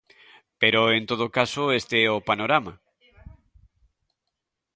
Pero, en todo caso, este é o panorama.